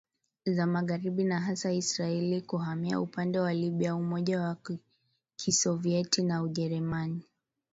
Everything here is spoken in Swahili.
za magharibi na hasa Israeli kuhamia upande wa Libya Umoja wa Kisovyeti na Ujerumani